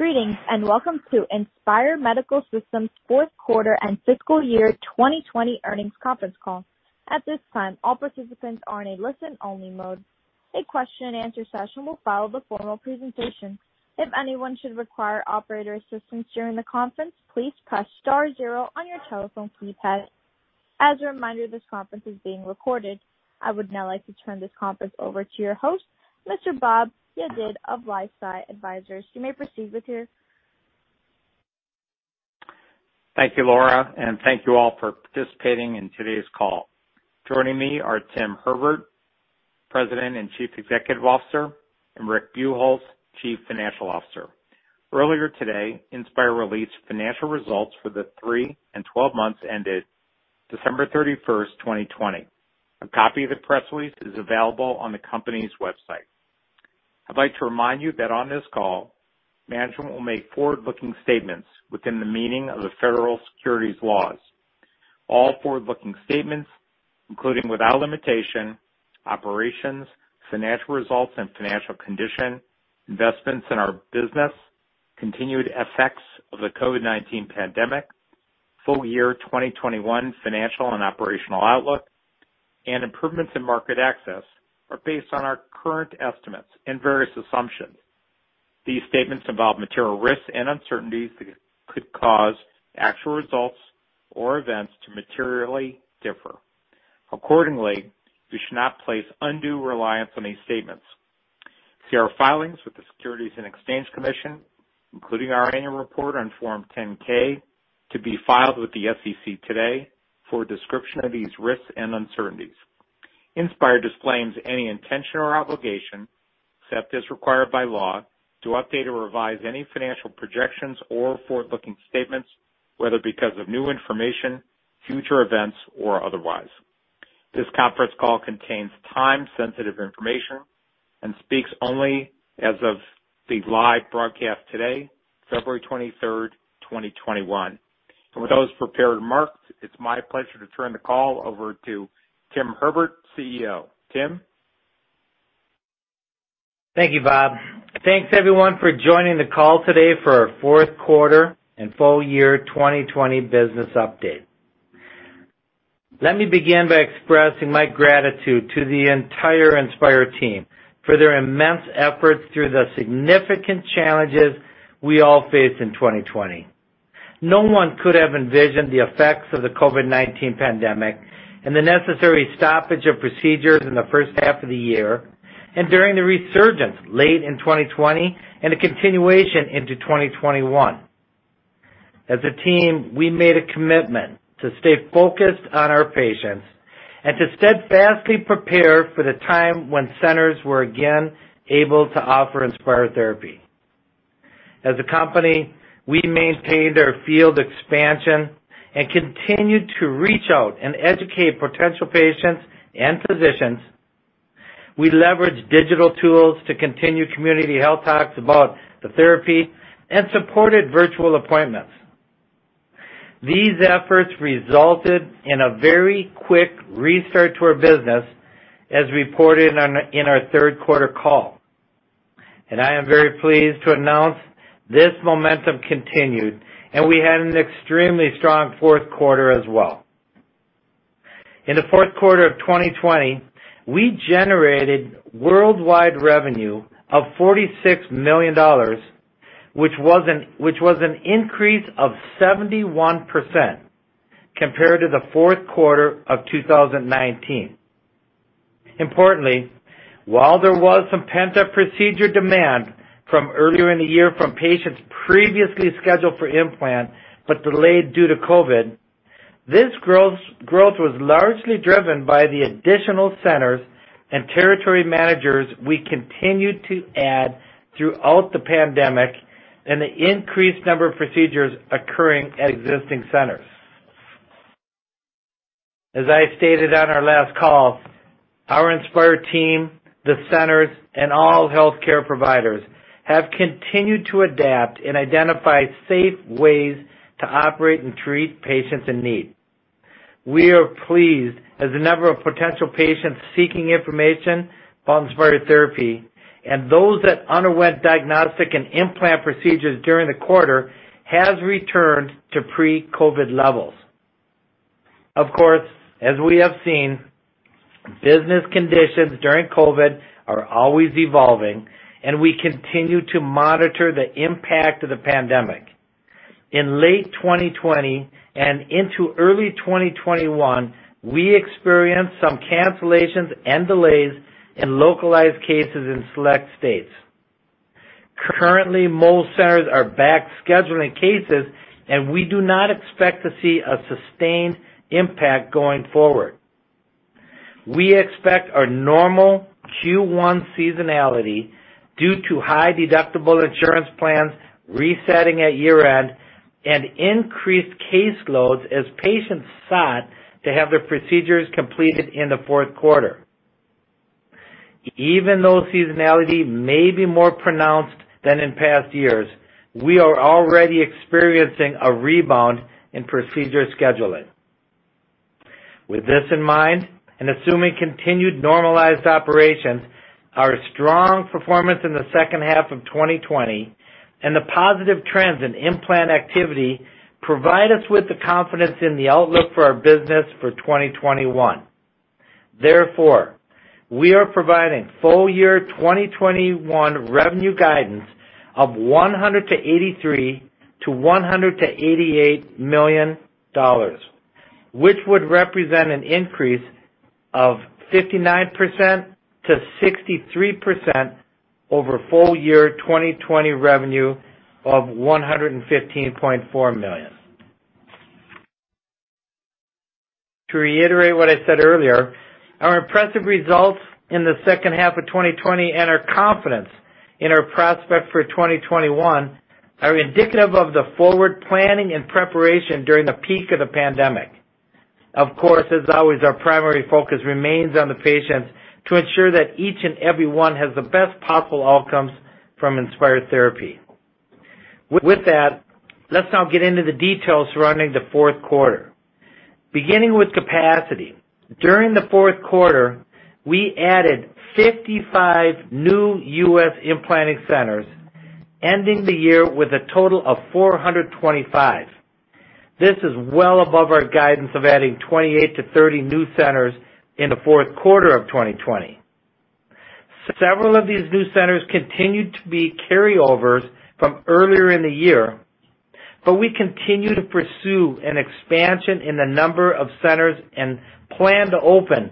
Greetings, and welcome to Inspire Medical Systems' fourth quarter and fiscal year 2020 earnings conference call. I would now like to turn this conference over to your host, Mr. Bob Yedid of LifeSci Advisors. You may proceed with your Thank you, Laura, and thank you all for participating in today's call. Joining me Tim Herbert, President and Chief Executive Officer, and Rick Buchholz, Chief Financial Officer. Earlier today, Inspire released financial results for the three and 12 months ended December 31st, 2020. A copy of the press release is available on the company's website. I'd like to remind you that on this call, management will make forward-looking statements within the meaning of the federal securities laws. All forward-looking statements, including without limitation, operations, financial results and financial condition, investments in our business, continued effects of the COVID-19 pandemic, full year 2021 financial and operational outlook, and improvements in market access, are based on our current estimates and various assumptions. These statements involve material risks and uncertainties that could cause actual results or events to materially differ. Accordingly, you should not place undue reliance on these statements. See our filings with the Securities and Exchange Commission, including our annual report on Form 10-K to be filed with the SEC today for a description of these risks and uncertainties. Inspire disclaims any intention or obligation, except as required by law, to update or revise any financial projections or forward-looking statements, whether because of new information, future events, or otherwise. This conference call contains time-sensitive information and speaks only as of the live broadcast today, February 23, 2021. With those prepared remarks, it's my pleasure to turn the call over to Tim Herbert, CEO. Tim? Thank you, Bob. Thanks everyone for joining the call today for our fourth quarter and full year 2020 business update. Let me begin by expressing my gratitude to the entire Inspire team for their immense efforts through the significant challenges we all faced in 2020. No one could have envisioned the effects of the COVID-19 pandemic and the necessary stoppage of procedures in the first half of the year and during the resurgence late in 2020 and the continuation into 2021. As a team, we made a commitment to stay focused on our patients and to steadfastly prepare for the time when centers were again able to offer Inspire therapy. As a company, we maintained our field expansion and continued to reach out and educate potential patients and physicians. We leveraged digital tools to continue community health talks about the therapy and supported virtual appointments. These efforts resulted in a very quick restart to our business, as reported in our third quarter call. I am very pleased to announce this momentum continued, and we had an extremely strong fourth quarter as well. In the fourth quarter of 2020, we generated worldwide revenue of $46 million, which was an increase of 71% compared to the fourth quarter of 2019. Importantly, while there was some pent-up procedure demand from earlier in the year from patients previously scheduled for implant but delayed due to COVID, this growth was largely driven by the additional centers and territory managers we continued to add throughout the pandemic and the increased number of procedures occurring at existing centers. As I stated on our last call, our Inspire team, the centers, and all healthcare providers have continued to adapt and identify safe ways to operate and treat patients in need. We are pleased as the number of potential patients seeking information on Inspire therapy and those that underwent diagnostic and implant procedures during the quarter has returned to pre-COVID levels. Of course, as we have seen, business conditions during COVID are always evolving, and we continue to monitor the impact of the pandemic. In late 2020 and into early 2021, we experienced some cancellations and delays in localized cases in select states. Currently, most centers are back scheduling cases, and we do not expect to see a sustained impact going forward. We expect our normal Q1 seasonality due to high deductible insurance plans resetting at year-end and increased case loads as patients sought to have their procedures completed in the fourth quarter. Even though seasonality may be more pronounced than in past years, we are already experiencing a rebound in procedure scheduling. With this in mind, and assuming continued normalized operations, our strong performance in the second half of 2020 and the positive trends in implant activity provide us with the confidence in the outlook for our business for 2021. We are providing full year 2021 revenue guidance of $183 million-$188 million, which would represent an increase of 59%-63% over full year 2020 revenue of $115.4 million. To reiterate what I said earlier, our impressive results in the second half of 2020 and our confidence in our prospect for 2021 are indicative of the forward planning and preparation during the peak of the pandemic. Of course, as always, our primary focus remains on the patients to ensure that each and every one has the best possible outcomes from Inspire therapy. With that, let's now get into the details surrounding the fourth quarter. Beginning with capacity. During the fourth quarter, we added 55 new U.S. implanting centers, ending the year with a total of 425. This is well above our guidance of adding 28-30 new centers in the fourth quarter of 2020. Several of these new centers continued to be carryovers from earlier in the year, but we continue to pursue an expansion in the number of centers and plan to open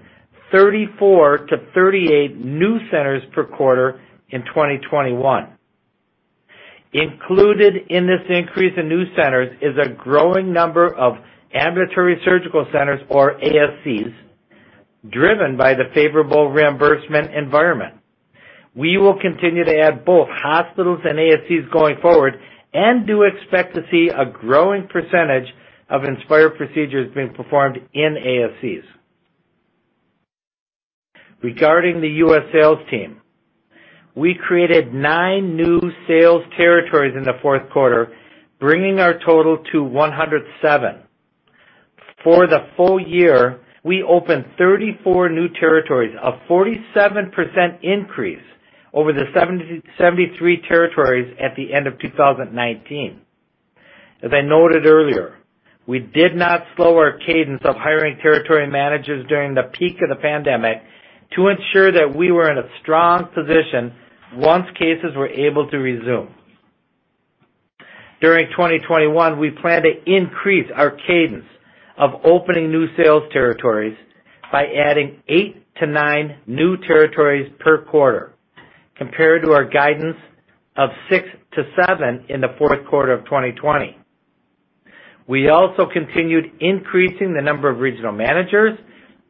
34-38 new centers per quarter in 2021. Included in this increase in new centers is a growing number of ambulatory surgical centers, or ASCs, driven by the favorable reimbursement environment. We will continue to add both hospitals and ASCs going forward and do expect to see a growing percentage of Inspire procedures being performed in ASCs. Regarding the U.S. sales team, we created nine new sales territories in the fourth quarter, bringing our total to 107. For the full year, we opened 34 new territories, a 47% increase over the 73 territories at the end of 2019. As I noted earlier, we did not slow our cadence of hiring territory managers during the peak of the pandemic to ensure that we were in a strong position once cases were able to resume. During 2021, we plan to increase our cadence of opening new sales territories by adding eight to nine new territories per quarter, compared to our guidance of six to seven in the fourth quarter of 2020. We also continued increasing the number of regional managers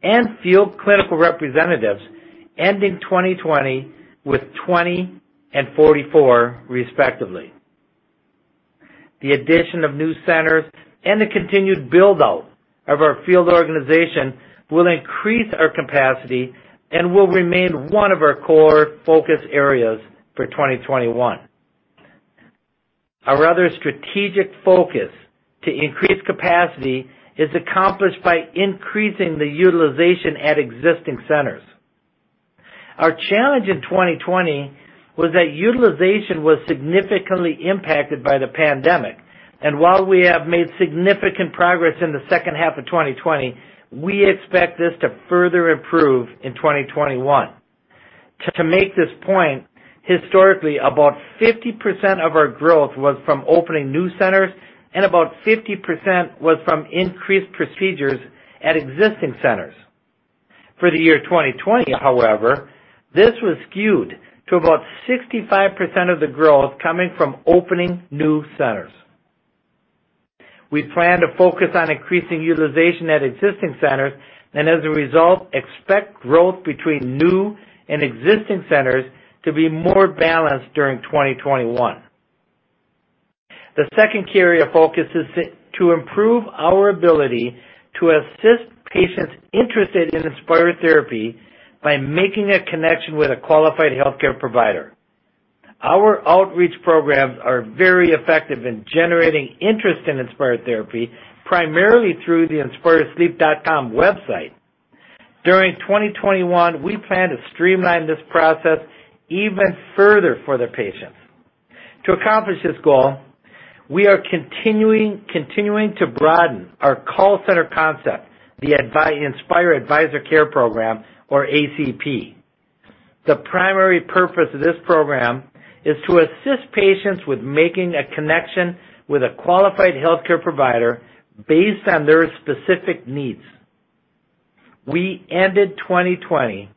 and field clinical representatives, ending 2020 with 20 and 44 respectively. The addition of new centers and the continued build-out of our field organization will increase our capacity and will remain one of our core focus areas for 2021. Our other strategic focus to increase capacity is accomplished by increasing the utilization at existing centers. Our challenge in 2020 was that utilization was significantly impacted by the pandemic. While we have made significant progress in the second half of 2020, we expect this to further improve in 2021. To make this point, historically, about 50% of our growth was from opening new centers and about 50% was from increased procedures at existing centers. For the year 2020, however, this was skewed to about 65% of the growth coming from opening new centers. We plan to focus on increasing utilization at existing centers and as a result, expect growth between new and existing centers to be more balanced during 2021. The second key area of focus is to improve our ability to assist patients interested in Inspire therapy by making a connection with a qualified healthcare provider. Our outreach programs are very effective in generating interest in Inspire therapy, primarily through the inspiresleep.com website. During 2021, we plan to streamline this process even further for the patients. To accomplish this goal, we are continuing to broaden our call center concept, the Inspire Advisor Care Program or ACP. The primary purpose of this program is to assist patients with making a connection with a qualified healthcare provider based on their specific needs. We ended 2020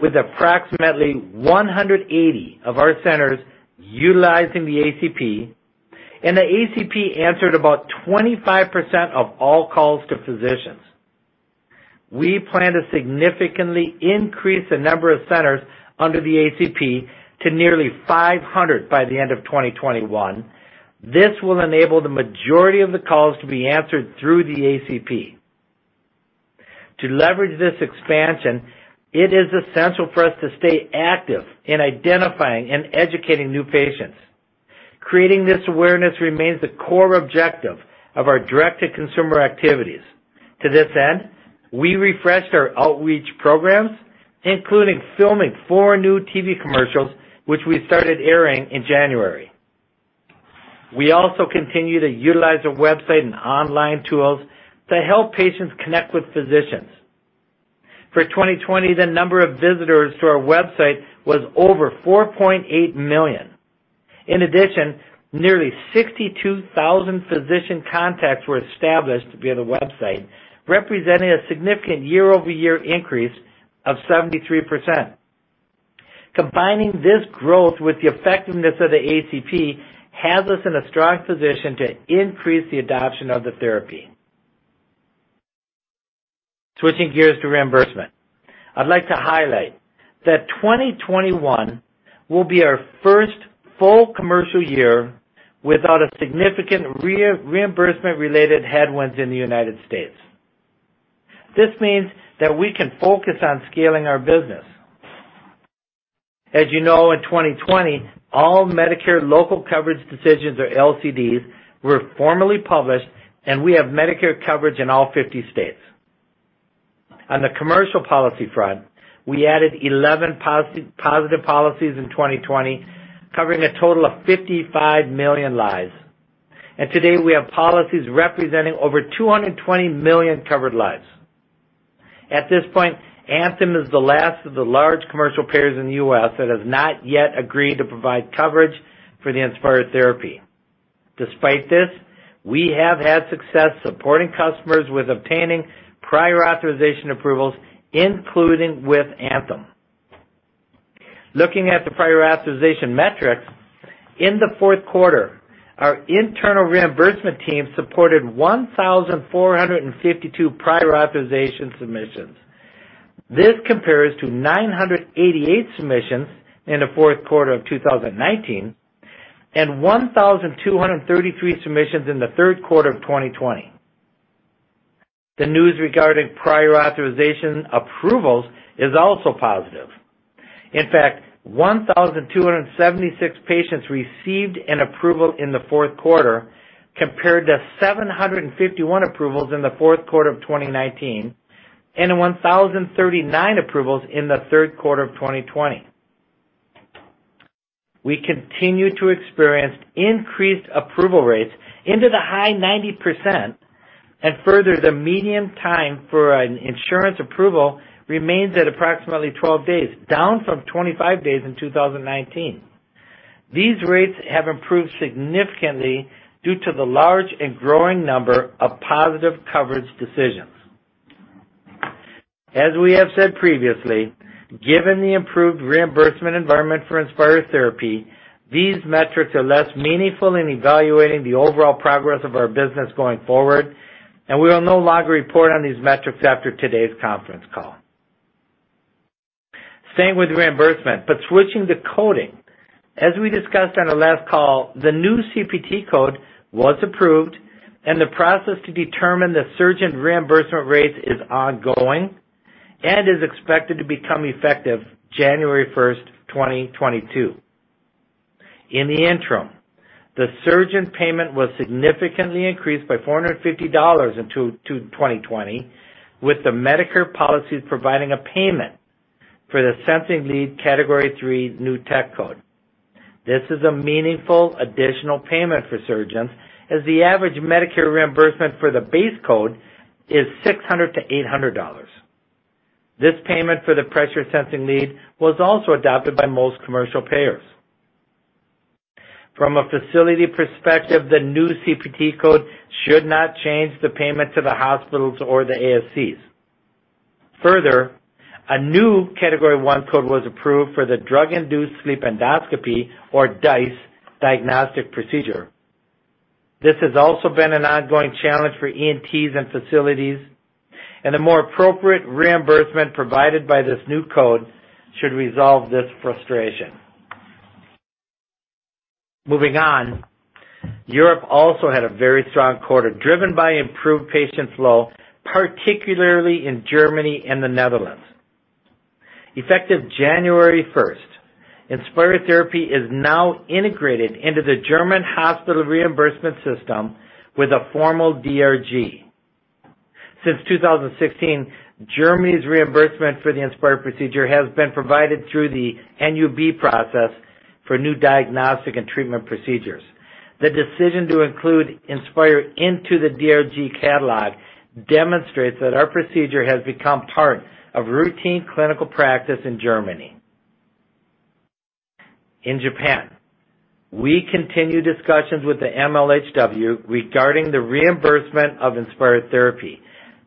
with approximately 180 of our centers utilizing the ACP, and the ACP answered about 25% of all calls to physicians. We plan to significantly increase the number of centers under the ACP to nearly 500 by the end of 2021. This will enable the majority of the calls to be answered through the ACP. To leverage this expansion, it is essential for us to stay active in identifying and educating new patients. Creating this awareness remains the core objective of our direct-to-consumer activities. To this end, we refreshed our outreach programs, including filming four new TV commercials, which we started airing in January. We also continue to utilize our website and online tools to help patients connect with physicians. For 2020, the number of visitors to our website was over 4.8 million. In addition, nearly 62,000 physician contacts were established via the website, representing a significant year-over-year increase of 73%. Combining this growth with the effectiveness of the Inspire Advisor Care Program has us in a strong position to increase the adoption of the therapy. Switching gears to reimbursement. I'd like to highlight that 2021 will be our first full commercial year without a significant reimbursement-related headwinds in the United States. This means that we can focus on scaling our business. As you know, in 2020, all Medicare local coverage decisions, or LCDs, were formally published, and we have Medicare coverage in all 50 states. On the commercial policy front, we added 11 positive policies in 2020, covering a total of 55 million lives. Today, we have policies representing over 220 million covered lives. At this point, Anthem is the last of the large commercial payers in the U.S. that has not yet agreed to provide coverage for the Inspire therapy. Despite this, we have had success supporting customers with obtaining prior authorization approvals, including with Anthem. Looking at the prior authorization metrics, in the fourth quarter, our internal reimbursement team supported 1,452 prior authorization submissions. This compares to 988 submissions in the fourth quarter of 2019 and 1,233 submissions in the third quarter of 2020. The news regarding prior authorization approvals is also positive. In fact, 1,276 patients received an approval in the fourth quarter, compared to 751 approvals in the fourth quarter of 2019 and 1,039 approvals in the third quarter of 2020. We continue to experience increased approval rates into the high 90%, and further, the median time for an insurance approval remains at approximately 12 days, down from 25 days in 2019. These rates have improved significantly due to the large and growing number of positive coverage decisions. As we have said previously, given the improved reimbursement environment for Inspire therapy, these metrics are less meaningful in evaluating the overall progress of our business going forward, and we will no longer report on these metrics after today's conference call. Staying with reimbursement, switching to coding. As we discussed on our last call, the new CPT code was approved, and the process to determine the surgeon reimbursement rate is ongoing and is expected to become effective January 1st, 2022. In the interim, the surgeon payment was significantly increased by $450 in 2020, with the Medicare policies providing a payment for the sensing lead Category III new tech code. This is a meaningful additional payment for surgeons, as the average Medicare reimbursement for the base code is $600-$800. This payment for the pressure sensing lead was also adopted by most commercial payers. From a facility perspective, the new CPT code should not change the payment to the hospitals or the ASCs. A new Category I code was approved for the drug-induced sleep endoscopy, or DISE diagnostic procedure. This has also been an ongoing challenge for ENTs and facilities, and a more appropriate reimbursement provided by this new code should resolve this frustration. Moving on. Europe also had a very strong quarter, driven by improved patient flow, particularly in Germany and the Netherlands. Effective January 1st, Inspire therapy is now integrated into the German hospital reimbursement system with a formal DRG. Since 2016, Germany's reimbursement for the Inspire procedure has been provided through the NUB process for new diagnostic and treatment procedures. The decision to include Inspire into the DRG catalog demonstrates that our procedure has become part of routine clinical practice in Germany. In Japan, we continue discussions with the MHLW regarding the reimbursement of Inspire therapy.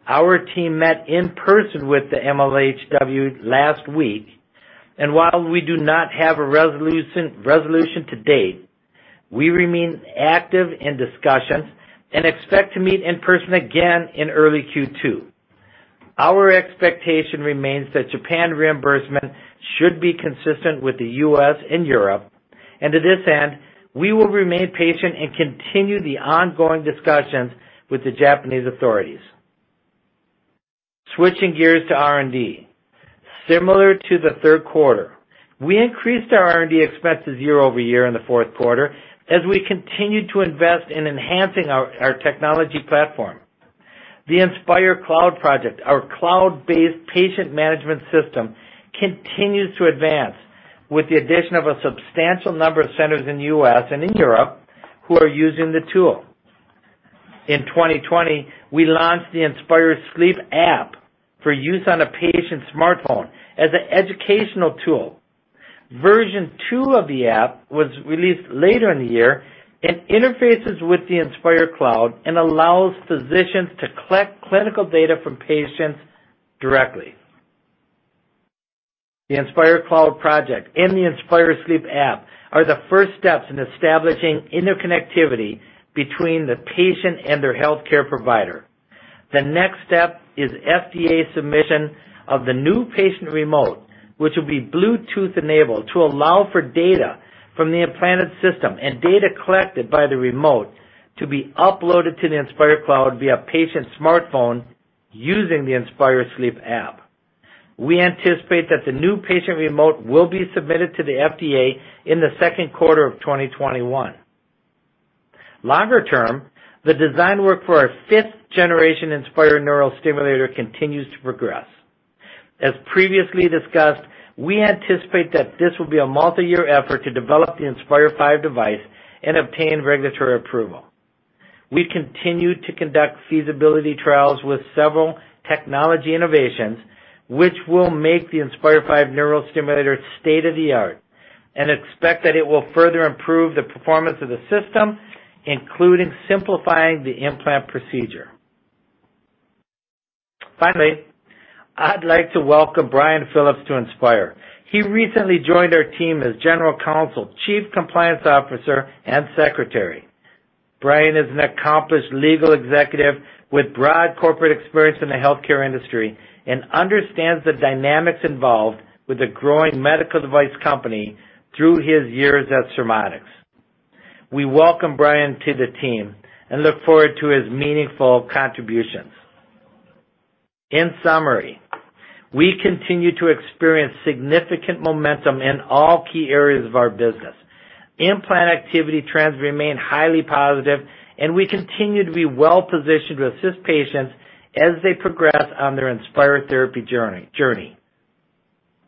Our team met in person with the MHLW last week, and while we do not have a resolution to date, we remain active in discussions and expect to meet in person again in early Q2. Our expectation remains that Japan reimbursement should be consistent with the U.S. and Europe, and to this end, we will remain patient and continue the ongoing discussions with the Japanese authorities. Switching gears to R&D. Similar to the third quarter, we increased our R&D expenses year-over-year in the fourth quarter as we continued to invest in enhancing our technology platform. The Inspire Cloud Project, our cloud-based patient management system, continues to advance with the addition of a substantial number of centers in the U.S. and in Europe who are using the tool. In 2020, we launched the Inspire Sleep app for use on a patient's smartphone as an educational tool. Version two of the app was released later in the year and interfaces with the Inspire Cloud and allows physicians to collect clinical data from patients directly. The Inspire Cloud Project and the Inspire Sleep app are the first steps in establishing interconnectivity between the patient and their healthcare provider. The next step is FDA submission of the new patient remote, which will be Bluetooth-enabled to allow for data from the implanted system and data collected by the remote to be uploaded to the Inspire Cloud via patient smartphone using the Inspire Sleep app. We anticipate that the new patient remote will be submitted to the FDA in the second quarter of 2021. Longer term, the design work for our fifth generation Inspire neural stimulator continues to progress. As previously discussed, we anticipate that this will be a multi-year effort to develop the Inspire V device and obtain regulatory approval. We continue to conduct feasibility trials with several technology innovations, which will make the Inspire V neural stimulator state-of-the-art, and expect that it will further improve the performance of the system, including simplifying the implant procedure. Finally, I'd like to welcome Bryan Phillips to Inspire. He recently joined our team as general counsel, chief compliance officer, and secretary. Bryan is an accomplished legal executive with broad corporate experience in the healthcare industry and understands the dynamics involved with a growing medical device company through his years at Surmodics. We welcome Bryan to the team and look forward to his meaningful contributions. In summary, we continue to experience significant momentum in all key areas of our business. Implant activity trends remain highly positive, and we continue to be well-positioned to assist patients as they progress on their Inspire therapy journey.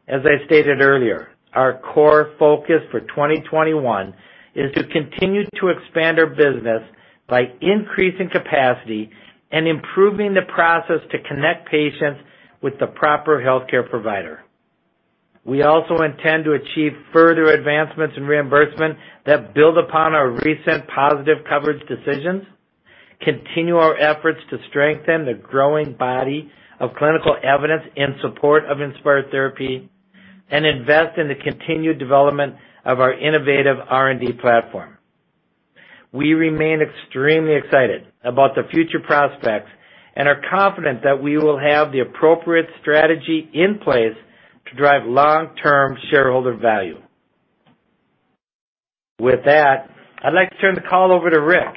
As I stated earlier, our core focus for 2021 is to continue to expand our business by increasing capacity and improving the process to connect patients with the proper healthcare provider. We also intend to achieve further advancements in reimbursement that build upon our recent positive coverage decisions, continue our efforts to strengthen the growing body of clinical evidence in support of Inspire therapy, and invest in the continued development of our innovative R&D platform. We remain extremely excited about the future prospects and are confident that we will have the appropriate strategy in place to drive long-term shareholder value. With that, I'd like to turn the call over to Rick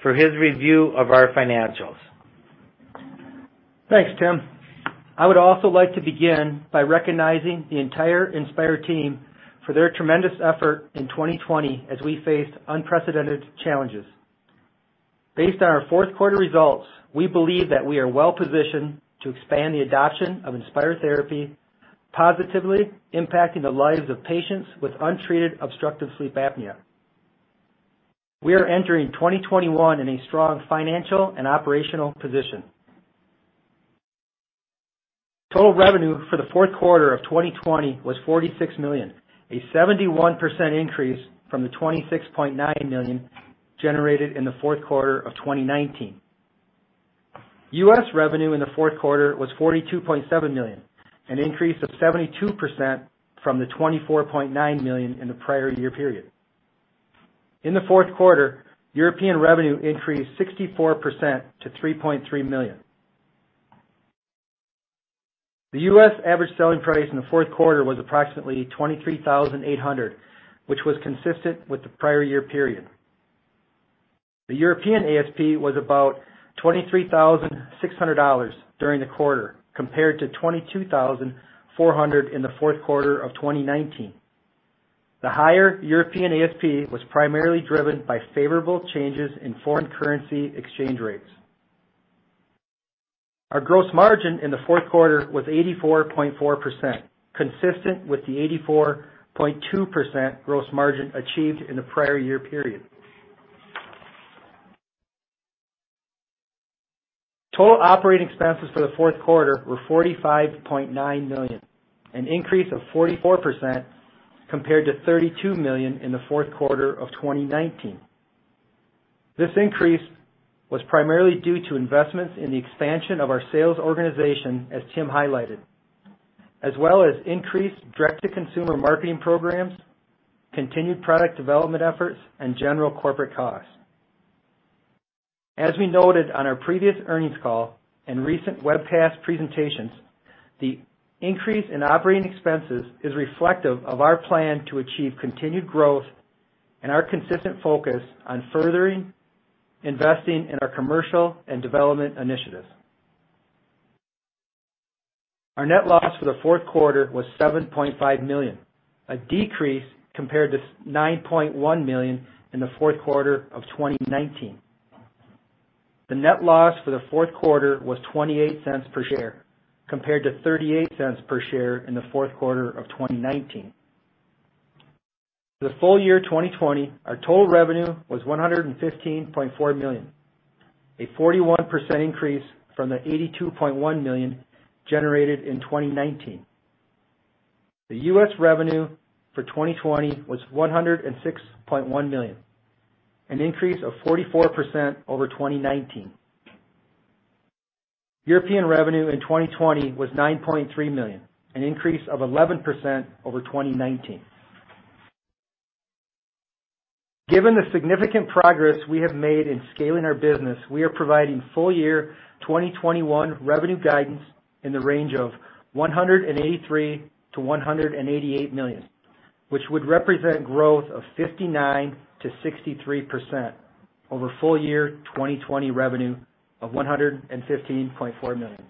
for his review of our financials. Thanks, Tim Herbert. I would also like to begin by recognizing the entire Inspire team for their tremendous effort in 2020 as we faced unprecedented challenges. Based on our fourth quarter results, we believe that we are well-positioned to expand the adoption of Inspire therapy, positively impacting the lives of patients with untreated obstructive sleep apnea. We are entering 2021 in a strong financial and operational position. Total revenue for the fourth quarter of 2020 was $46 million, a 71% increase from the $26.9 million generated in the fourth quarter of 2019. U.S. revenue in the fourth quarter was $42.7 million, an increase of 72% from the $24.9 million in the prior year period. In the fourth quarter, European revenue increased 64% to $3.3 million. The U.S. average selling price in the fourth quarter was approximately $23,800, which was consistent with the prior year period. The European ASP was about $23,600 during the quarter, compared to $22,400 in the fourth quarter of 2019. The higher European ASP was primarily driven by favorable changes in foreign currency exchange rates. Our gross margin in the fourth quarter was 84.4%, consistent with the 84.2% gross margin achieved in the prior year period. Total operating expenses for the fourth quarter were $45.9 million, an increase of 44% compared to $32 million in the fourth quarter of 2019. This increase was primarily due to investments in the expansion of our sales organization, as Tim highlighted, as well as increased direct-to-consumer marketing programs, continued product development efforts, and general corporate costs. As we noted on our previous earnings call and recent webcast presentations, the increase in operating expenses is reflective of our plan to achieve continued growth. Our consistent focus on furthering investing in our commercial and development initiatives. Our net loss for the fourth quarter was $7.5 million, a decrease compared to $9.1 million in the fourth quarter of 2019. The net loss for the fourth quarter was $0.28 per share, compared to $0.38 per share in the fourth quarter of 2019. For the full year 2020, our total revenue was $115.4 million, a 41% increase from the $82.1 million generated in 2019. The U.S. revenue for 2020 was $106.1 million, an increase of 44% over 2019. European revenue in 2020 was $9.3 million, an increase of 11% over 2019. Given the significant progress we have made in scaling our business, we are providing full year 2021 revenue guidance in the range of $183 million-$188 million, which would represent growth of 59%-63% over full year 2020 revenue of $115.4 million.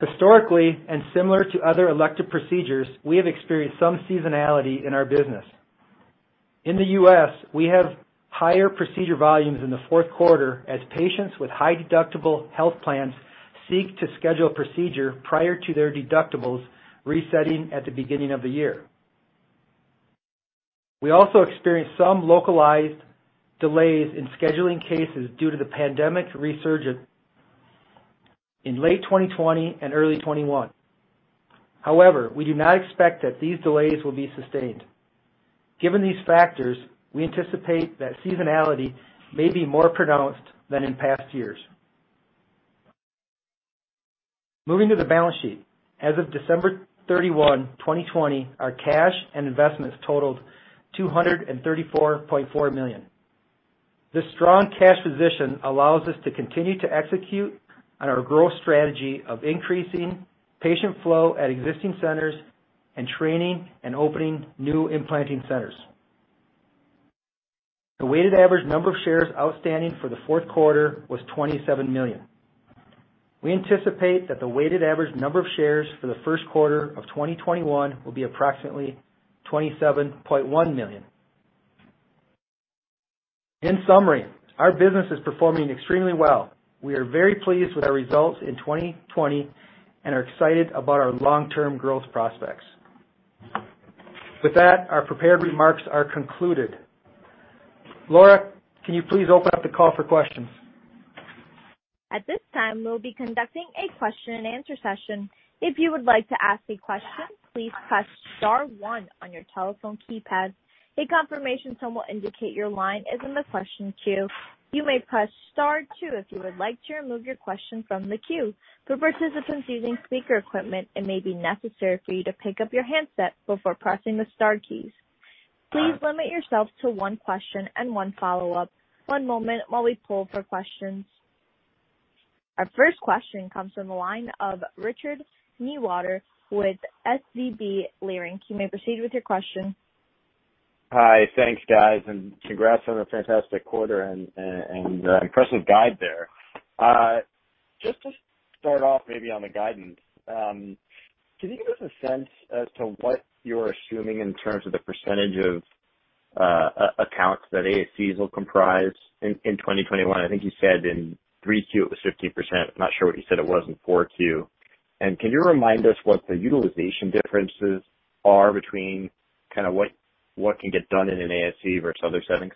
Historically, and similar to other elective procedures, we have experienced some seasonality in our business. In the U.S., we have higher procedure volumes in the fourth quarter as patients with high deductible health plans seek to schedule a procedure prior to their deductibles resetting at the beginning of the year. We also experienced some localized delays in scheduling cases due to the pandemic's resurgence in late 2020 and early 2021. We do not expect that these delays will be sustained. Given these factors, we anticipate that seasonality may be more pronounced than in past years. Moving to the balance sheet. As of December 31st, 2020, our cash and investments totaled $234.4 million. This strong cash position allows us to continue to execute on our growth strategy of increasing patient flow at existing centers and training and opening new implanting centers. The weighted average number of shares outstanding for the fourth quarter was $27 million. We anticipate that the weighted average number of shares for the first quarter of 2021 will be approximately $27.1 million. In summary, our business is performing extremely well. We are very pleased with our results in 2020 and are excited about our long-term growth prospects. With that, our prepared remarks are concluded. Laura, can you please open up the call for questions? At this time, we'll be conducting a question and answer session. If you would like to ask a question, please press star 1 on your telephone keypad. A confirmation tone will indicate your line is in the question queue. You may press star 2 if you would like to remove your question from the queue. For participants using speaker equipment, it may be necessary for you to pick up your handset before pressing the star keys. Please limit yourself to one question and one follow-up. One moment while we pull for questions. Our first question comes from the line of Richard Newitter with SVB Leerink. You may proceed with your question. Hi. Thanks, guys. Congrats on a fantastic quarter and impressive guide there. Just to start off maybe on the guidance, can you give us a sense as to what you're assuming in terms of the percentage of accounts that ASCs will comprise in 2021? I think you said in Q3 it was 15%. I'm not sure what you said it was in Q4. Can you remind us what the utilization differences are between what can get done in an ASC versus other settings?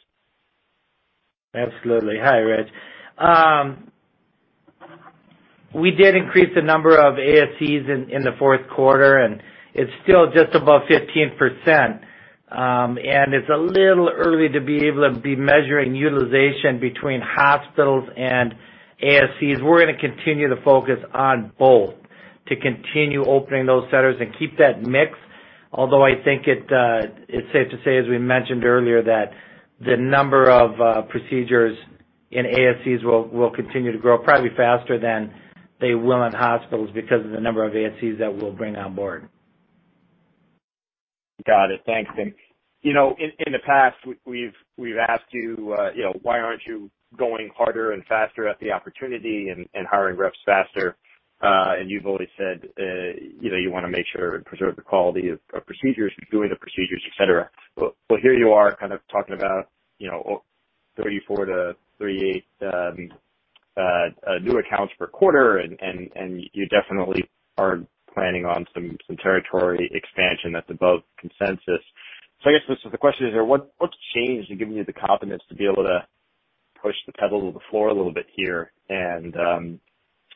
Absolutely. Hi, Rich. We did increase the number of ASCs in the fourth quarter, and it's still just above 15%, and it's a little early to be able to be measuring utilization between hospitals and ASCs. We're going to continue to focus on both to continue opening those centers and keep that mix. Although, I think it's safe to say, as we mentioned earlier, that the number of procedures in ASCs will continue to grow probably faster than they will in hospitals because of the number of ASCs that we'll bring on board. Got it. Thanks. In the past, we've asked you, why aren't you going harder and faster at the opportunity and hiring reps faster? You've always said you want to make sure and preserve the quality of procedures, doing the procedures, et cetera. Here you are kind of talking about 34 to 38 new accounts per quarter, and you definitely are planning on some territory expansion that's above consensus. I guess the question is what's changed and given you the confidence to be able to push the pedal to the floor a little bit here?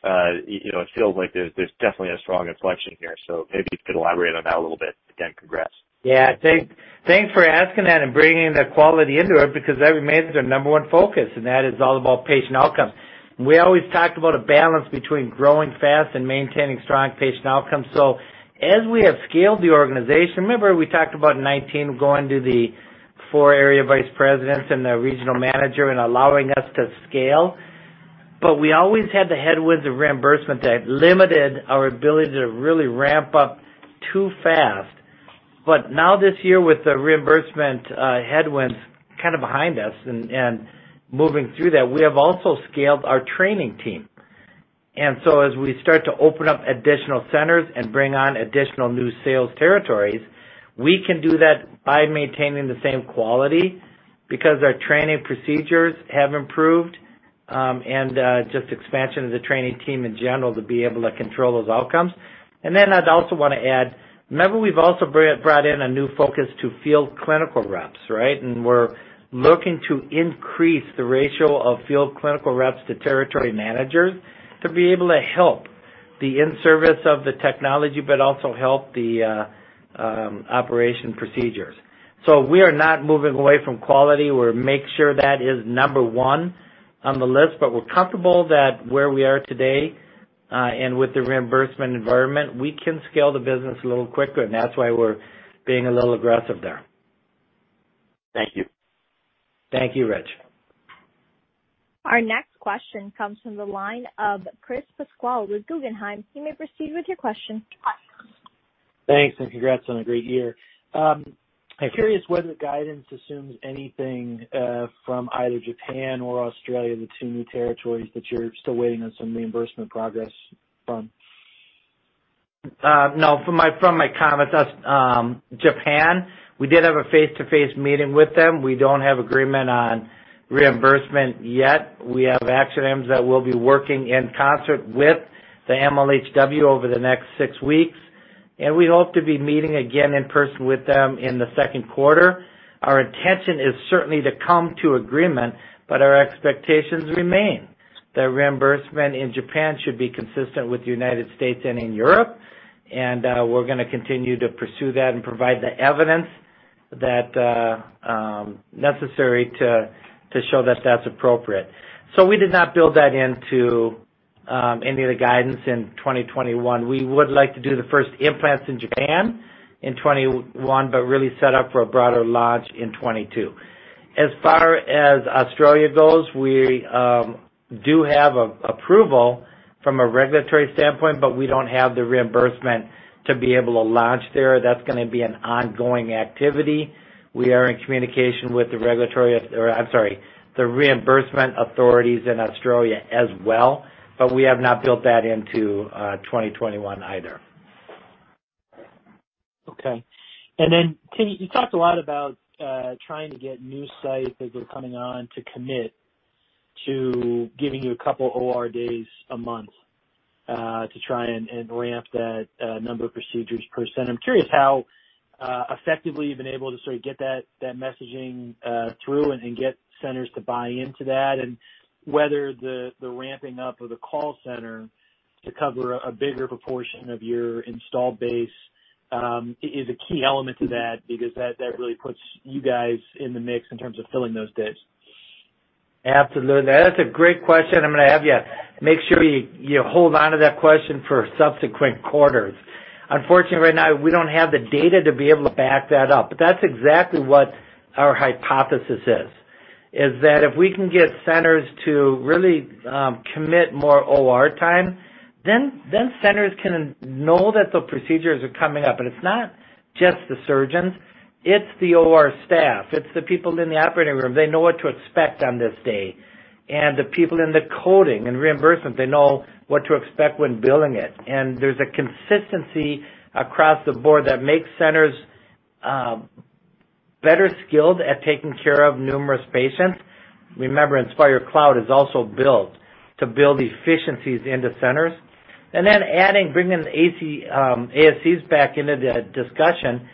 It feels like there's definitely a strong inflection here, so maybe if you could elaborate on that a little bit. Again, congrats. Yeah. Thanks for asking that and bringing the quality into it, because that remains our number 1 focus, and that is all about patient outcomes. We always talked about a balance between growing fast and maintaining strong patient outcomes. As we have scaled the organization, remember we talked about in 2019 going to the four area vice presidents and the regional manager and allowing us to scale? We always had the headwinds of reimbursement that limited our ability to really ramp up too fast. Now this year with the reimbursement headwinds behind us and moving through that, we have also scaled our training team. As we start to open up additional centers and bring on additional new sales territories, we can do that by maintaining the same quality because our training procedures have improved, and just expansion of the training team in general to be able to control those outcomes. I'd also want to add, remember we've also brought in a new focus to field clinical reps, right? We're looking to increase the ratio of field clinical reps to territory managers to be able to help the in-service of the technology, but also help the operation procedures. We are not moving away from quality. We'll make sure that is number one on the list, but we're comfortable that where we are today, and with the reimbursement environment, we can scale the business a little quicker, and that's why we're being a little aggressive there. Thank you. Thank you, Rich. Our next question comes from the line of Chris Pasquale with Guggenheim. Thanks, and congrats on a great year. I'm curious whether the guidance assumes anything from either Japan or Australia, the two new territories that you're still waiting on some reimbursement progress from. No, from my comments, that's Japan. We did have a face-to-face meeting with them. We don't have agreement on reimbursement yet. We have action items that we'll be working in concert with the MHLW over the next six weeks, and we hope to be meeting again in person with them in the second quarter. Our intention is certainly to come to agreement, but our expectations remain that reimbursement in Japan should be consistent with the U.S. and in Europe. We're going to continue to pursue that and provide the evidence that necessary to show that that's appropriate. We did not build that into any of the guidance in 2021. We would like to do the first implants in Japan in 2021, but really set up for a broader launch in 2022. As far as Australia goes, we do have approval from a regulatory standpoint, but we don't have the reimbursement to be able to launch there. That's going to be an ongoing activity. We are in communication with the regulatory, or I'm sorry, the reimbursement authorities in Australia as well, but we have not built that into 2021 either. Okay. You talked a lot about trying to get new sites as they're coming on to commit to giving you a couple OR days a month, to try and ramp that number of procedures per center. I'm curious how effectively you've been able to sort of get that messaging through and get centers to buy into that, and whether the ramping up of the call center to cover a bigger proportion of your installed base is a key element to that because that really puts you guys in the mix in terms of filling those days. Absolutely. That's a great question. I'm going to have you make sure you hold on to that question for subsequent quarters. Unfortunately, right now, we don't have the data to be able to back that up. That's exactly what our hypothesis is that if we can get centers to really commit more OR time, then centers can know that the procedures are coming up. It's not just the surgeons, it's the OR staff, it's the people in the operating room. They know what to expect on this day. The people in the coding and reimbursement, they know what to expect when billing it. There's a consistency across the board that makes centers better skilled at taking care of numerous patients. Remember, Inspire Cloud is also built to build efficiencies into centers. Then adding, bringing the ASCs back into the discussion,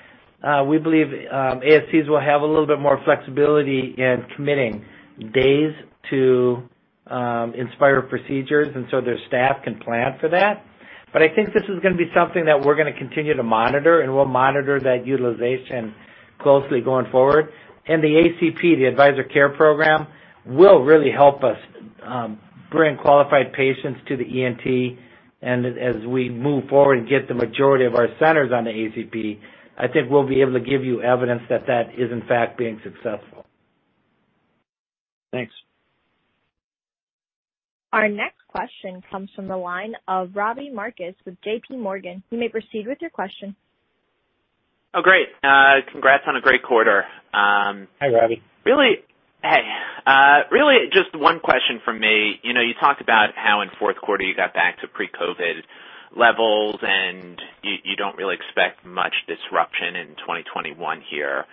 we believe ASCs will have a little bit more flexibility in committing days to Inspire procedures, and so their staff can plan for that. I think this is going to be something that we're going to continue to monitor, and we'll monitor that utilization closely going forward. The ACP, the Advisor Care Program, will really help us bring qualified patients to the ENT. As we move forward and get the majority of our centers on the ACP, I think we'll be able to give you evidence that that is in fact being successful. Thanks. Our next question comes from the line of Robbie Marcus with JPMorgan. You may proceed with your question. Oh, great. Congrats on a great quarter. Hi, Robie. Hey. Really just one question from me. You talked about how in fourth quarter you got back to pre-COVID levels and you don't really expect much disruption in 2021 here.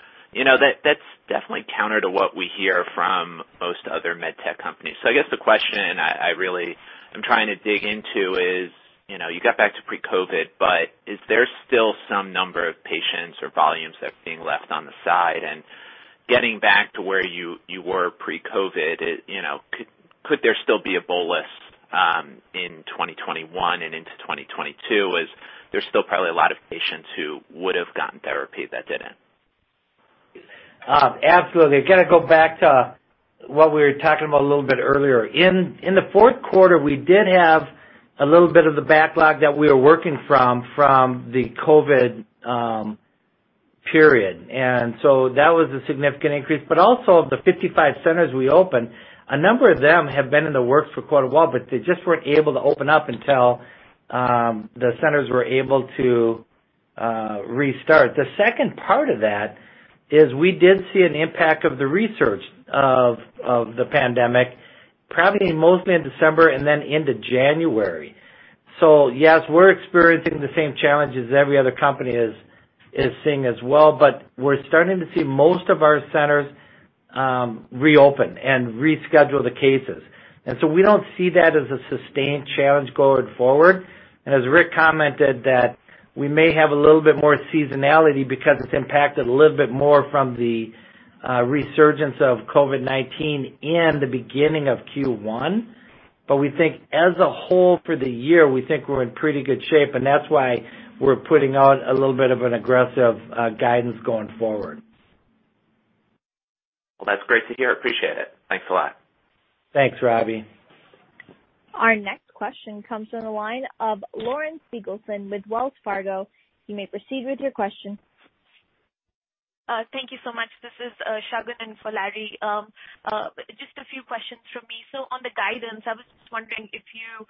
That's definitely counter to what we hear from most other med tech companies. I guess the question I really am trying to dig into is, you got back to pre-COVID, but is there still some number of patients or volumes that are being left on the side? Getting back to where you were pre-COVID, could there still be a bolus in 2021 and into 2022 as there's still probably a lot of patients who would've gotten therapy that didn't? Absolutely. I got to go back to what we were talking about a little bit earlier. In the fourth quarter, we did have a little bit of the backlog that we were working from the COVID period. That was a significant increase. Also of the 55 centers we opened, a number of them have been in the works for quite a while, but they just weren't able to open up until the centers were able to restart. The second part of that is we did see an impact of the resurge of the pandemic, probably mostly in December and then into January. Yes, we're experiencing the same challenges every other company is seeing as well. We're starting to see most of our centers reopen and reschedule the cases. We don't see that as a sustained challenge going forward. As Rick commented that we may have a little bit more seasonality because it's impacted a little bit more from the resurgence of COVID-19 in the beginning of Q1. We think as a whole for the year, we think we're in pretty good shape, and that's why we're putting out a little bit of an aggressive guidance going forward. Well, that's great to hear. Appreciate it. Thanks a lot. Thanks, Robbie. Our next question comes from the line of Larry Biegelsen with Wells Fargo. You may proceed with your question. Thank you so much. This is Shagun in for Larry. Just a few questions from me. On the guidance, I was just wondering if you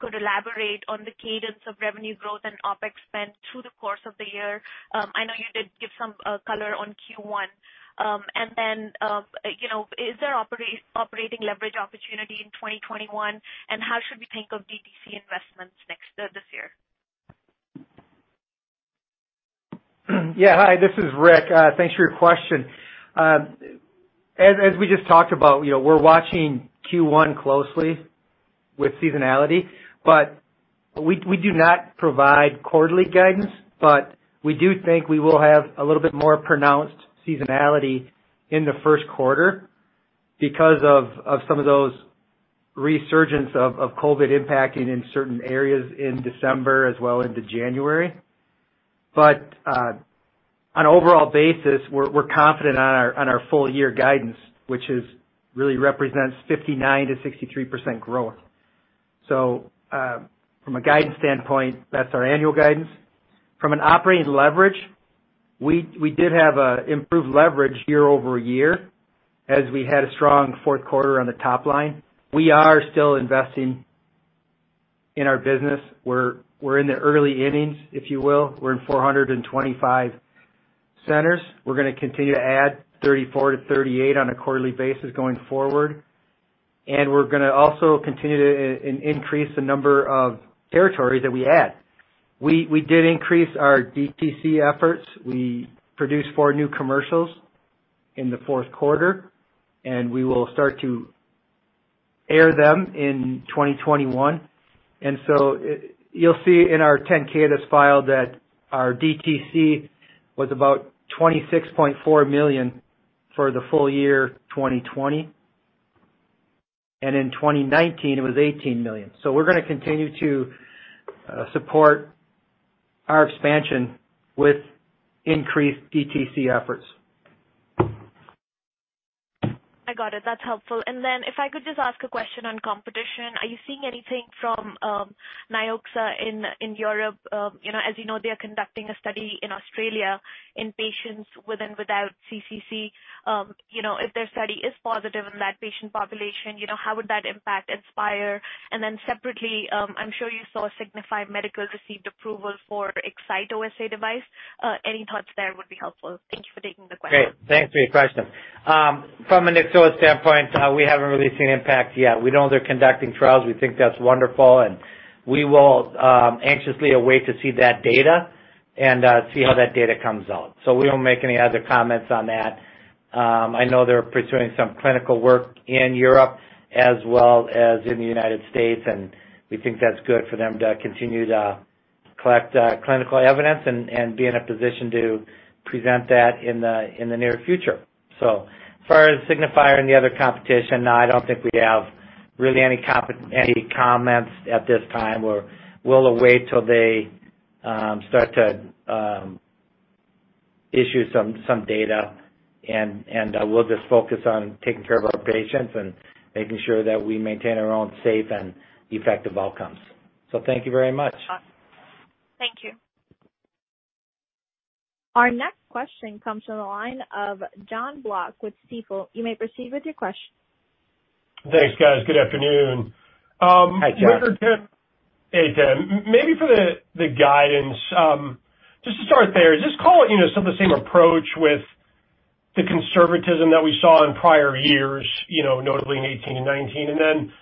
could elaborate on the cadence of revenue growth and OpEx spend through the course of the year. I know you did give some color on Q1. Is there operating leverage opportunity in 2021, and how should we think of DTC investments this year? Yeah. Hi, this is Rick. Thanks for your question. As we just talked about, we're watching Q1 closely with seasonality, but we do not provide quarterly guidance. We do think we will have a little bit more pronounced seasonality in the first quarter because of some of those resurgence of COVID impacting in certain areas in December as well into January. On an overall basis, we're confident on our full-year guidance, which really represents 59%-63% growth. From a guidance standpoint, that's our annual guidance. From an operating leverage, we did have improved leverage year-over-year as we had a strong fourth quarter on the top line. We are still investing in our business. We're in the early innings, if you will. We're in 425 centers. We're going to continue to add 34-38 on a quarterly basis going forward. We're going to also continue to increase the number of territories that we add. We did increase our DTC efforts. We produced four new commercials in the fourth quarter, and we will start to air them in 2021. You'll see in our 10-K that's filed that our DTC was about $26.4 million for the full year 2020. In 2019, it was $18 million. We're going to continue to support our expansion with increased DTC efforts. I got it. That's helpful. If I could just ask a question on competition. Are you seeing anything from Nyxoah in Europe? As you know, they are conducting a study in Australia in patients with and without CCC. If their study is positive in that patient population, how would that impact Inspire? Separately, I'm sure you saw Signifier Medical received approval for eXciteOSA device. Any thoughts there would be helpful. Thank you for taking the question. Great. Thanks for your question. From a Nyxoah standpoint, we haven't really seen impact yet. We know they're conducting trials. We think that's wonderful, and we will anxiously await to see that data and see how that data comes out. We don't make any other comments on that. I know they're pursuing some clinical work in Europe as well as in the United States, and we think that's good for them to continue to collect clinical evidence and be in a position to present that in the near future. As far as Signifier and the other competition, I don't think we have really any comments at this time or we'll await till they start to issue some data, and we'll just focus on taking care of our patients and making sure that we maintain our own safe and effective outcomes. Thank you very much. Thank you. Our next question comes from the line of Jon Block with Stifel. You may proceed with your question. Thanks, guys. Good afternoon. Hi, Jon. Hey, Tim. Maybe for the guidance, just to start there, just call it some of the same approach with the conservatism that we saw in prior years, notably in 2018 and 2019. Then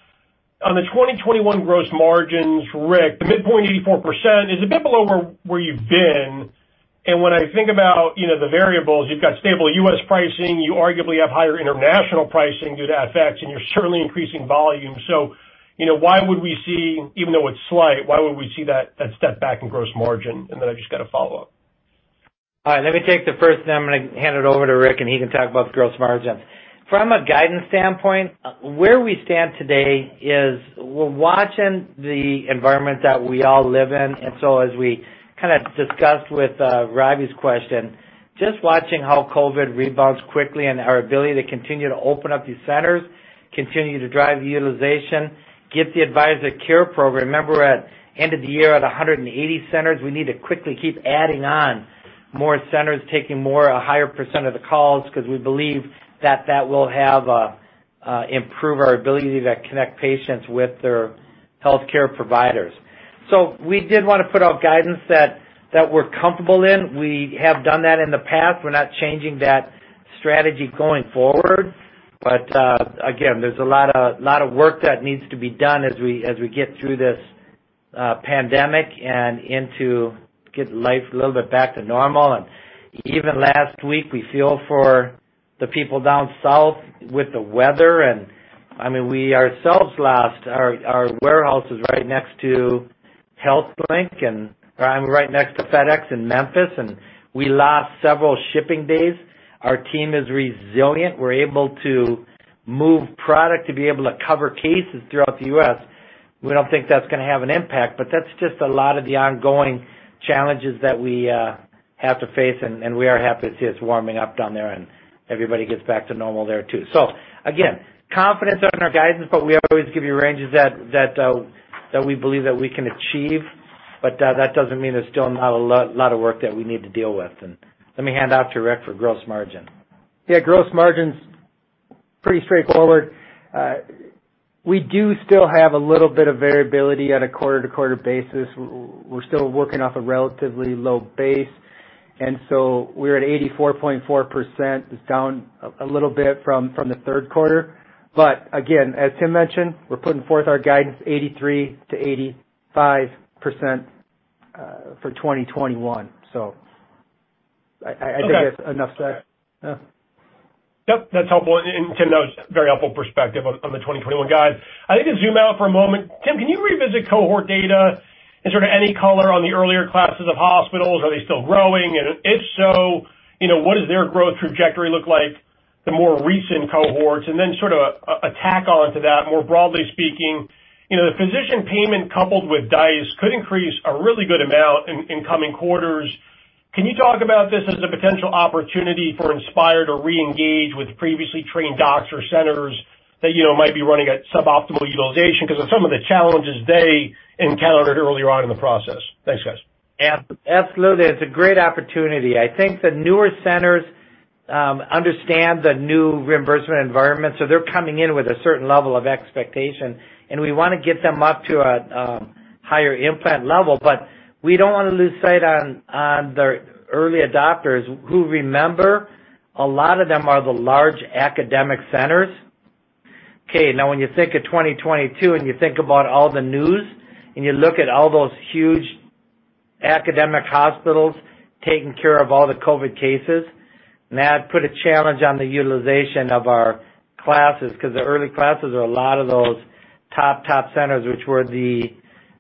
on the 2021 gross margins, Rick, the midpoint 84% is a bit below where you've been. When I think about the variables, you've got stable U.S. pricing, you arguably have higher international pricing due to FX, and you're certainly increasing volume. Why would we see, even though it's slight, why would we see that step back in gross margin? Then I've just got a follow-up. All right. Let me take the first, then I'm going to hand it over to Rick, and he can talk about the gross margin. From a guidance standpoint, where we stand today is we're watching the environment that we all live in. As we kind of discussed with Robbie's question, just watching how COVID-19 rebounds quickly and our ability to continue to open up these centers, continue to drive utilization, get the Inspire Advisor Care Program. Remember, at end of the year, at 180 centers, we need to quickly keep adding on more centers, taking more, a higher % of the calls, because we believe that that will improve our ability to connect patients with their healthcare providers. We did want to put out guidance that we're comfortable in. We have done that in the past. We're not changing that strategy going forward. Again, there's a lot of work that needs to be done as we get through this pandemic and into get life a little bit back to normal. Even last week, we feel for the people down south with the weather. I mean, we ourselves lost our warehouse is right next to HealthLink, and right next to FedEx in Memphis, and we lost several shipping days. Our team is resilient. We're able to move product to be able to cover cases throughout the U.S. We don't think that's going to have an impact, but that's just a lot of the ongoing challenges that we have to face, and we are happy to see it's warming up down there and everybody gets back to normal there, too. Again, confidence on our guidance, but we always give you ranges that we believe that we can achieve. That doesn't mean there's still not a lot of work that we need to deal with. Let me hand it off to Rick for gross margin. Yeah, gross margin's pretty straightforward. We do still have a little bit of variability at a quarter-to-quarter basis. We're still working off a relatively low base, we're at 84.4%. It's down a little bit from the third quarter. Again, as Tim mentioned, we're putting forth our guidance, 83%-85% for 2021. I think that's enough said. Yeah. Yep, that's helpful. Tim Herbert, that was very helpful perspective on the 2021 guide. I think to zoom out for a moment, Tim, can you revisit cohort data and sort of any color on the earlier classes of hospitals? Are they still growing? If so, what does their growth trajectory look like, the more recent cohorts? Then sort of a tack-on to that, more broadly speaking, the physician payment coupled with DISE could increase a really good amount in coming quarters. Can you talk about this as a potential opportunity for Inspire to reengage with previously trained docs or centers that might be running at suboptimal utilization because of some of the challenges they encountered early on in the process? Thanks, guys. Absolutely. It's a great opportunity. I think the newer centers understand the new reimbursement environment, so they're coming in with a certain level of expectation, and we want to get them up to a higher implant level. We don't want to lose sight on the early adopters who remember a lot of them are the large academic centers. Okay, now, when you think of 2022 and you think about all the news and you look at all those huge academic hospitals taking care of all the COVID cases, and that put a challenge on the utilization of our classes, because the early classes are a lot of those top centers, which were the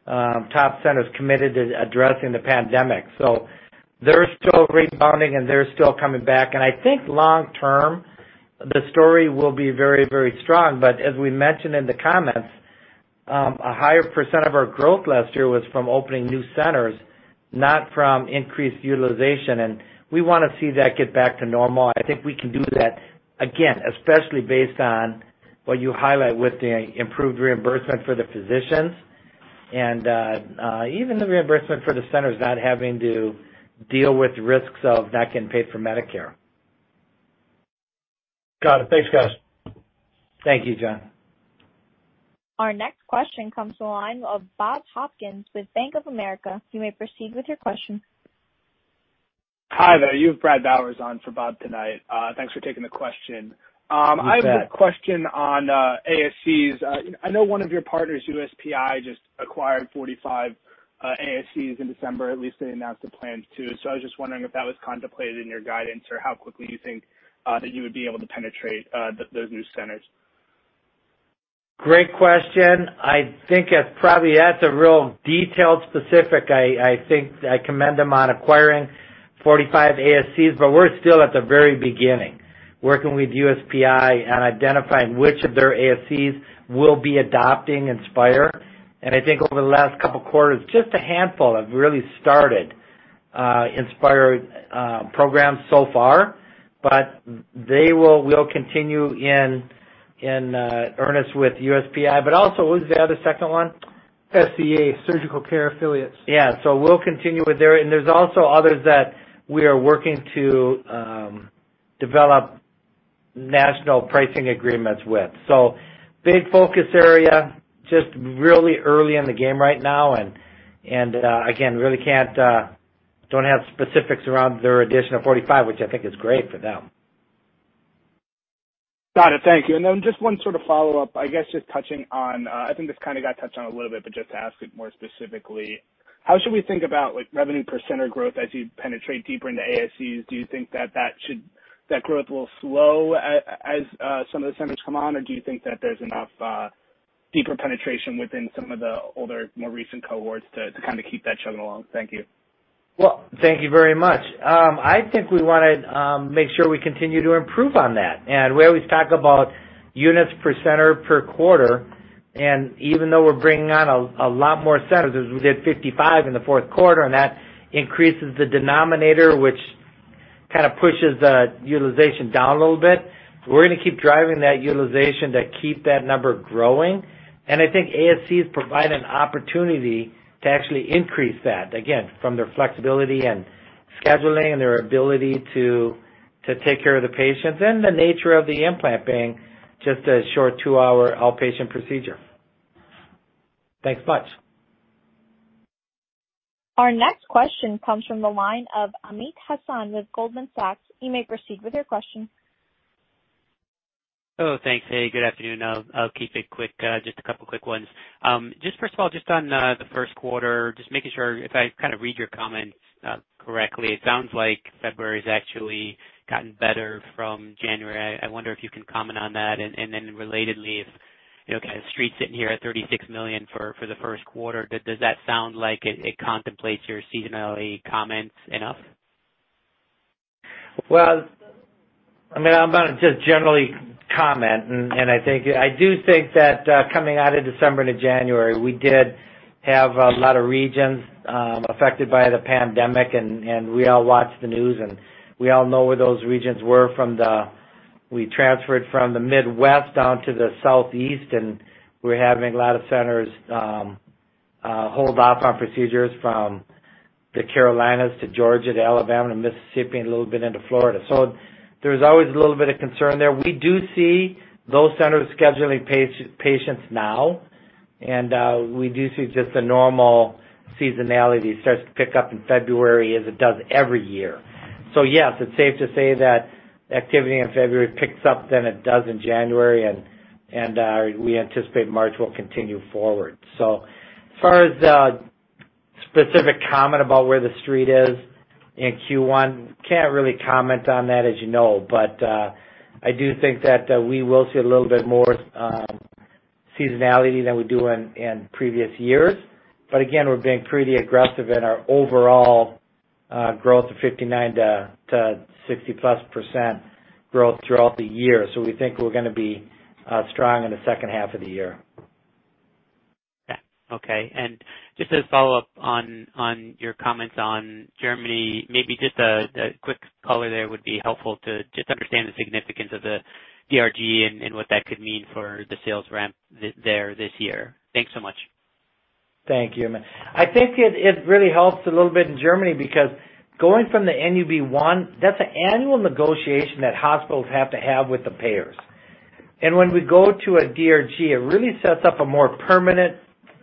top centers committed to addressing the pandemic. They're still rebounding, and they're still coming back. I think long term, the story will be very strong. As we mentioned in the comments, a higher percent of our growth last year was from opening new centers, not from increased utilization. We want to see that get back to normal. I think we can do that, again, especially based on what you highlight with the improved reimbursement for the physicians and even the reimbursement for the centers not having to deal with risks of not getting paid for Medicare. Got it. Thanks, guys. Thank you, Jon. Our next question comes to the line of Bob Hopkins with Bank of America. You may proceed with your question. Hi there. You have Bradley Bowers on for Bob tonight. Thanks for taking the question. You bet. I have a question on ASCs. I know one of your partners, United Surgical Partners International, just acquired 45 ASCs in December. At least they announced the plans to. I was just wondering if that was contemplated in your guidance or how quickly you think that you would be able to penetrate those new centers. Great question. I think probably that's a real detailed specific. I think I commend them on acquiring 45 ASCs, but we're still at the very beginning, working with USPI on identifying which of their ASCs will be adopting Inspire. I think over the last couple of quarters, just a handful have really started Inspire programs so far. We'll continue in earnest with USPI. Also, who's the other second one? SCA, Surgical Care Affiliates. Yeah. We'll continue with there. There's also others that we are working to develop national pricing agreements with. Big focus area, just really early in the game right now, and again, really don't have specifics around their addition of 45, which I think is great for them. Got it. Thank you. Then just one sort of follow-up, I guess just touching on, I think this kind of got touched on a little bit, but just to ask it more specifically, how should we think about revenue per center growth as you penetrate deeper into ASCs? Do you think that growth will slow as some of the centers come on, or do you think that there's enough deeper penetration within some of the older, more recent cohorts to kind of keep that chugging along? Thank you. Well, thank you very much. I think we want to make sure we continue to improve on that. We always talk about units per center per quarter. Even though we're bringing on a lot more centers, as we did 55 in the fourth quarter, and that increases the denominator, which kind of pushes the utilization down a little bit. We're going to keep driving that utilization to keep that number growing, and I think ASCs provide an opportunity to actually increase that, again, from their flexibility in scheduling and their ability to take care of the patients and the nature of the implant being just a short two-hour outpatient procedure. Thanks much. Our next question comes from the line of Amit Hazan with Goldman Sachs. You may proceed with your question. Hello. Thanks. Hey, good afternoon. I'll keep it quick. Just a couple of quick ones. First of all, just on the first quarter, just making sure if I read your comments correctly, it sounds like February has actually gotten better from January. I wonder if you can comment on that and then relatedly, if the street's sitting here at $36 million for the first quarter, does that sound like it contemplates your seasonality comments enough? I'm going to just generally comment, and I do think that coming out of December into January, we did have a lot of regions affected by the pandemic, and we all watch the news, and we all know where those regions were. We transferred from the Midwest down to the Southeast, and we're having a lot of centers hold off on procedures from the Carolinas to Georgia to Alabama to Mississippi, and a little bit into Florida. There's always a little bit of concern there. We do see those centers scheduling patients now, and we do see just a normal seasonality. It starts to pick up in February as it does every year. Yes, it's safe to say that activity in February picks up than it does in January, and we anticipate March will continue forward. As far as specific comment about where the street is in Q1, can't really comment on that as you know. I do think that we will see a little bit more seasonality than we do in previous years. Again, we're being pretty aggressive in our overall growth of 59%-60%+ growth throughout the year. We think we're going to be strong in the second half of the year. Yeah. Okay. Just to follow up on your comments on Germany, maybe just a quick color there would be helpful to just understand the significance of the DRG and what that could mean for the sales ramp there this year. Thanks so much. Thank you, Amit. I think it really helps a little bit in Germany because going from the NUB one, that's an annual negotiation that hospitals have to have with the payers. When we go to a DRG, it really sets up a more permanent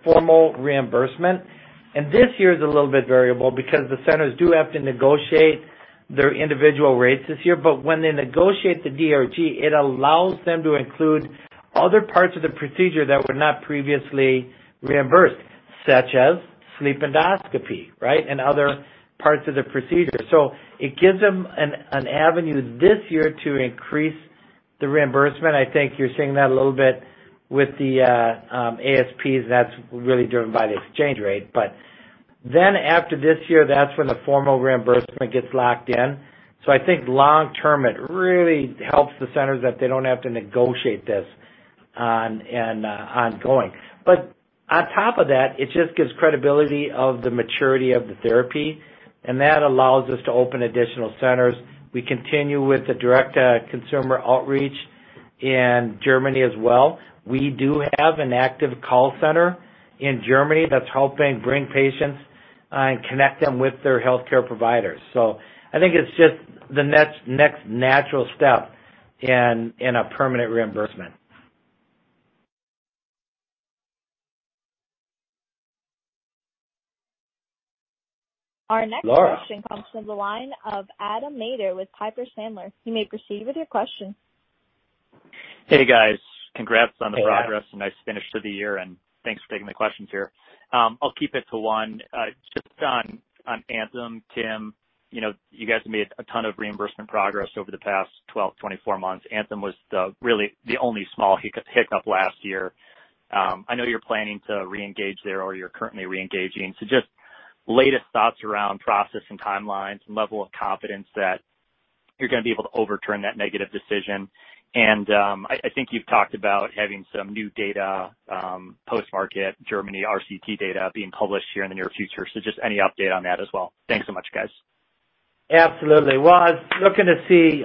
formal reimbursement, and this year is a little bit variable because the centers do have to negotiate their individual rates this year. When they negotiate the DRG, it allows them to include other parts of the procedure that were not previously reimbursed, such as sleep endoscopy, right, and other parts of the procedure. It gives them an avenue this year to increase the reimbursement. I think you're seeing that a little bit with the ASPs, and that's really driven by the exchange rate. After this year, that's when the formal reimbursement gets locked in. I think long-term, it really helps the centers that they don't have to negotiate this ongoing. On top of that, it just gives credibility of the maturity of the therapy, and that allows us to open additional centers. We continue with the direct consumer outreach in Germany as well. We do have an active call center in Germany that's helping bring patients and connect them with their healthcare providers. I think it's just the next natural step in a permanent reimbursement. Our next- Laura Question comes from the line of Adam Maeder with Piper Sandler. You may proceed with your question. Hey, guys. Congrats on the progress. Hey, Adam. nice finish to the year, and thanks for taking the questions here. I'll keep it to one. Just on Anthem, Tim, you guys have made a ton of reimbursement progress over the past 12, 24 months. Anthem was really the only small hiccup last year. I know you're planning to reengage there or you're currently reengaging. Just latest thoughts around process and timelines and level of confidence that you're going to be able to overturn that negative decision. I think you've talked about having some new data post-market, Germany RCT data being published here in the near future. Just any update on that as well. Thanks so much, guys. Absolutely. Well, I was looking to see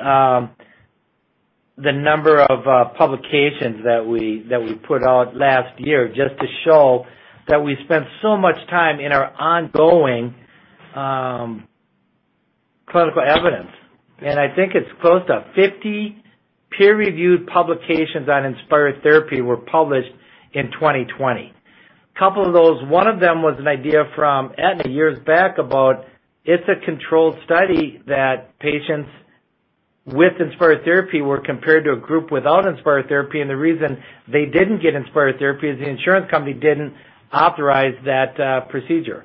the number of publications that we put out last year just to show that we spent so much time in our ongoing clinical evidence. I think it's close to 50 peer-reviewed publications on Inspire therapy were published in 2020. A couple of those, one of them was an idea from Aetna years back about it's a controlled study that patients with Inspire therapy were compared to a group without Inspire therapy, and the reason they didn't get Inspire therapy is the insurance company didn't authorize that procedure.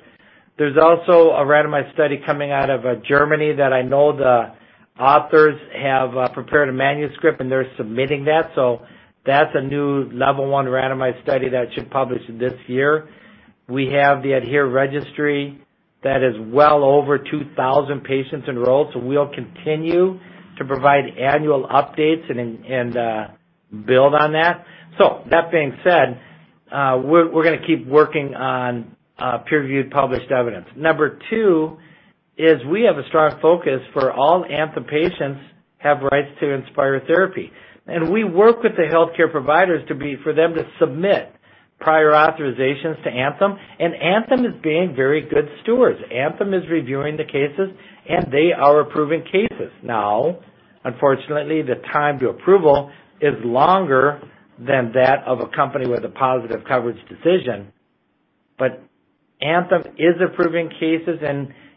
There's also a randomized study coming out of Germany that I know the authors have prepared a manuscript, and they're submitting that. That's a new level one randomized study that should publish this year. We have the ADHERE registry that is well over 2,000 patients enrolled, so we'll continue to provide annual updates and build on that. That being said, we're going to keep working on peer-reviewed published evidence. Number two is we have a strong focus for all Anthem patients have rights to Inspire therapy. We work with the healthcare providers for them to submit prior authorizations to Anthem, and Anthem is being very good stewards. Anthem is reviewing the cases, and they are approving cases. Now, unfortunately, the time to approval is longer than that of a company with a positive coverage decision. Anthem is approving cases,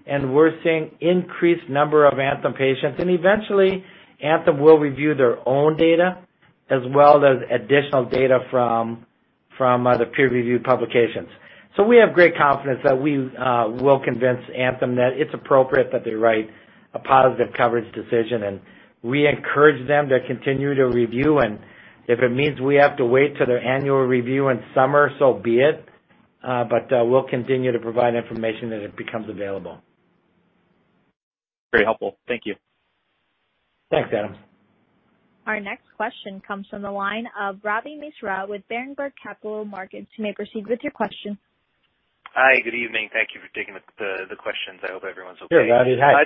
and we're seeing increased number of Anthem patients. Eventually, Anthem will review their own data as well as additional data from the peer review publications. We have great confidence that we will convince Anthem that it's appropriate that they write a positive coverage decision. We encourage them to continue to review. If it means we have to wait till their annual review in summer, so be it. We'll continue to provide information as it becomes available. Very helpful. Thank you. Thanks, Adam. Our next question comes from the line of Ravi Misra with Berenberg Capital Markets. You may proceed with your question. Hi. Good evening. Thank you for taking the questions. I hope everyone's okay. Sure, Ravi. Hi.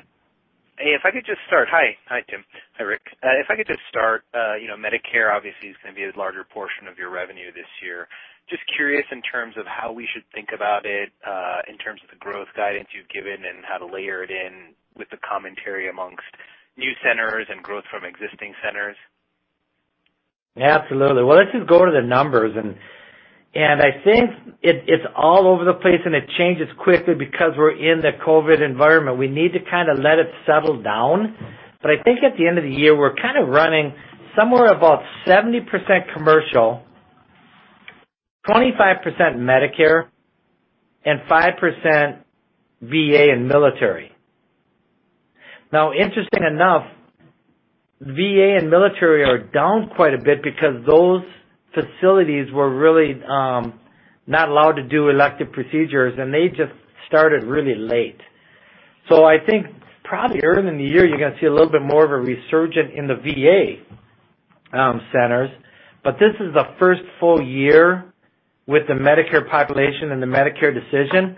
If I could just start. Hi, Tim. Hi, Rick. Medicare obviously is going to be a larger portion of your revenue this year. Just curious in terms of how we should think about it, in terms of the growth guidance you've given and how to layer it in with the commentary amongst new centers and growth from existing centers. Absolutely. Well, let's just go to the numbers. I think it is all over the place, and it changes quickly because we're in the COVID environment. We need to kind of let it settle down. I think at the end of the year, we're kind of running somewhere about 70% commercial, 25% Medicare, and 5% VA and military. Interestingly enough, VA and military are down quite a bit because those facilities were really not allowed to do elective procedures, and they just started really late. I think probably early in the year, you're going to see a little bit more of a resurgent in the VA centers. This is the first full year with the Medicare population and the Medicare decision.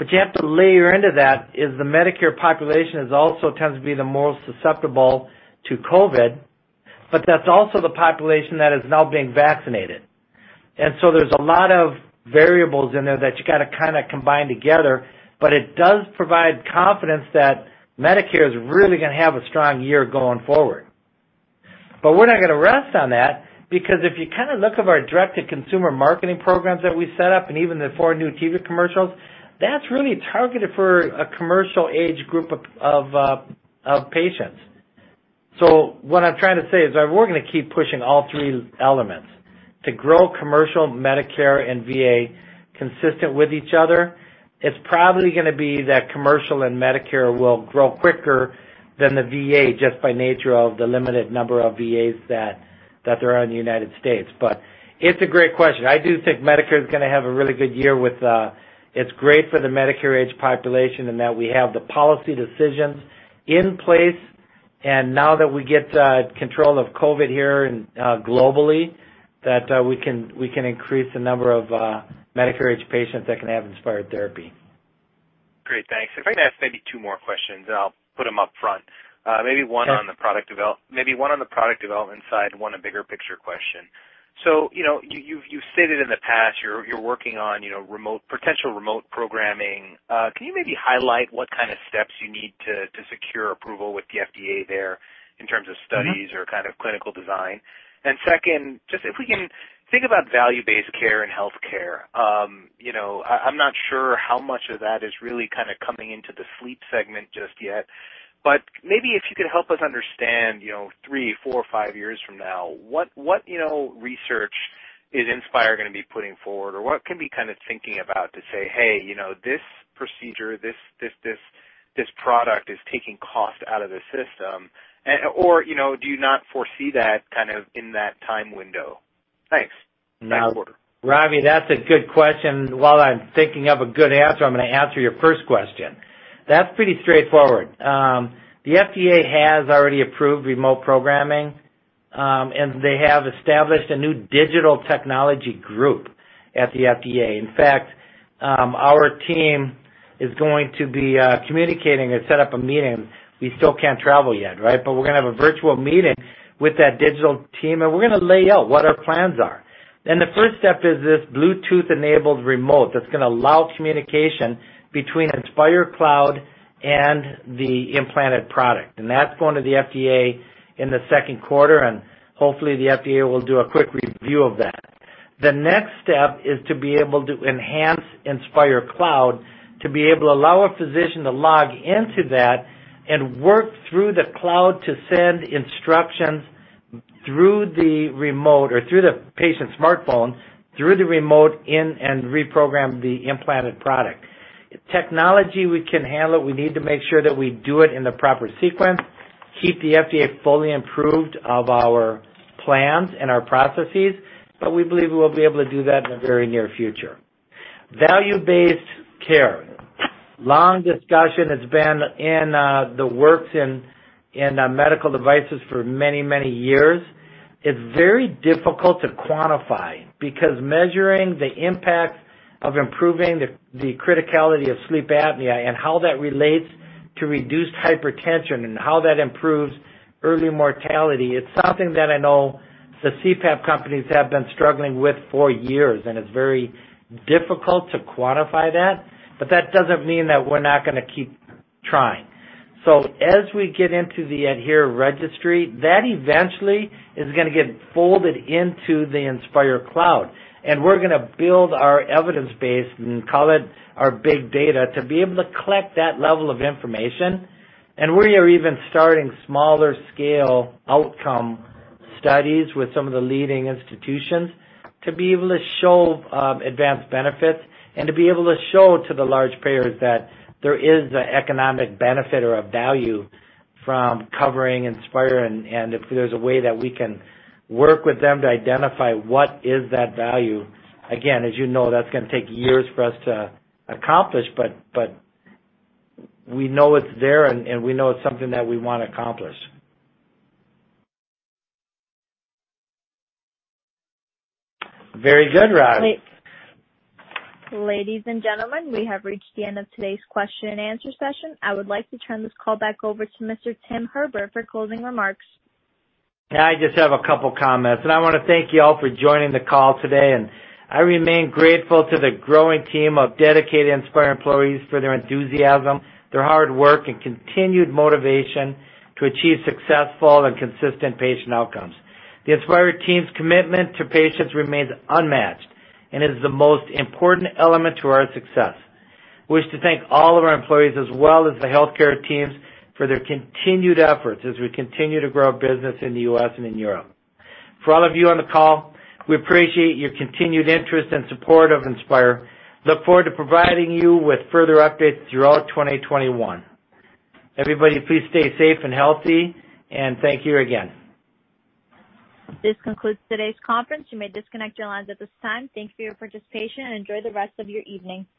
You have to layer into that is the Medicare population also tends to be the most susceptible to COVID-19, but that's also the population that is now being vaccinated. There's a lot of variables in there that you got to kind of combine together, but it does provide confidence that Medicare is really going to have a strong year going forward. We're not going to rest on that, because if you kind of look of our direct-to-consumer marketing programs that we set up and even the four new TV commercials, that's really targeted for a commercial age group of patients. What I'm trying to say is that we're going to keep pushing all three elements to grow commercial Medicare and VA consistent with each other. It's probably going to be that commercial and Medicare will grow quicker than the VA, just by nature of the limited number of VAs that there are in the United States. It's a great question. I do think Medicare is going to have a really good year. It's great for the Medicare age population and that we have the policy decisions in place, and now that we get control of COVID here and globally, that we can increase the number of Medicare age patients that can have Inspire therapy. Great. Thanks. If I could ask maybe two more questions, and I'll put them upfront. Sure. Maybe one on the product development side, one a bigger picture question. You've stated in the past you're working on potential remote programming. Can you maybe highlight what kind of steps you need to secure approval with the FDA there in terms of studies or kind of clinical design? Second, just if we can think about value-based care and healthcare. I'm not sure how much of that is really kind of coming into the sleep segment just yet. Maybe if you could help us understand three, four, five years from now, what research is Inspire going to be putting forward or what can we kind of thinking about to say, "Hey, this procedure, this product is taking cost out of the system." Do you not foresee that kind of in that time window? Thanks. Ravi, that's a good question. While I'm thinking of a good answer, I'm going to answer your first question. That's pretty straightforward. The FDA has already approved remote programming. They have established a new digital technology group at the FDA. In fact, our team is going to be communicating and set up a meeting. We still can't travel yet, right? We're going to have a virtual meeting with that digital team, and we're going to lay out what our plans are. The first step is this Bluetooth-enabled remote that's going to allow communication between Inspire Cloud and the implanted product. That's going to the FDA in the second quarter, and hopefully, the FDA will do a quick review of that. The next step is to be able to enhance Inspire Cloud to be able to allow a physician to log into that and work through the cloud to send instructions through the remote or through the patient's smartphone, through the remote in and reprogram the implanted product. Technology, we can handle it. We need to make sure that we do it in the proper sequence, keep the FDA fully approved of our plans and our processes, but we believe we will be able to do that in the very near future. Value-based care. Long discussion that's been in the works in medical devices for many, many years. It's very difficult to quantify because measuring the impact of improving the criticality of sleep apnea and how that relates to reduced hypertension and how that improves early mortality, it's something that I know the CPAP companies have been struggling with for years. It's very difficult to quantify that. That doesn't mean that we're not going to keep trying. As we get into the ADHERE registry, that eventually is going to get folded into the Inspire Cloud. We're going to build our evidence base and call it our big data to be able to collect that level of information. We are even starting smaller scale outcome studies with some of the leading institutions to be able to show advanced benefits and to be able to show to the large payers that there is an economic benefit or a value from covering Inspire and if there's a way that we can work with them to identify what is that value. Again, as you know, that's going to take years for us to accomplish, but we know it's there, and we know it's something that we want to accomplish. Very good, Ravi.. Ladies and gentlemen, we have reached the end of today's question and answer session. I would like to turn this call back over to Mr. Tim Herbert for closing remarks. I just have a couple of comments, and I want to thank you all for joining the call today, and I remain grateful to the growing team of dedicated Inspire employees for their enthusiasm, their hard work, and continued motivation to achieve successful and consistent patient outcomes. The Inspire team's commitment to patients remains unmatched and is the most important element to our success. We wish to thank all of our employees as well as the healthcare teams for their continued efforts as we continue to grow business in the U.S. and in Europe. For all of you on the call, we appreciate your continued interest and support of Inspire. Look forward to providing you with further updates throughout 2021. Everybody, please stay safe and healthy, and thank you again. This concludes today's conference. You may disconnect your lines at this time. Thank you for your participation and enjoy the rest of your evening.